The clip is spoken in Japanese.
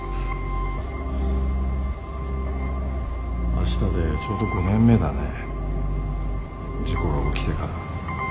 あしたでちょうど５年目だね事故が起きてから。